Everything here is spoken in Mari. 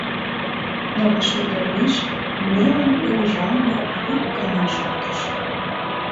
Но вашмут олмеш нелын пеҥыжалме йӱк гына шоктыш.